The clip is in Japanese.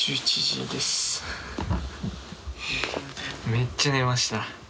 めっちゃ寝ました。